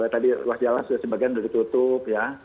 tadi wajah wajah sebagian sudah ditutup ya